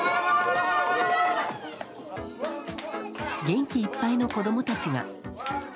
元気いっぱいの子供たちが。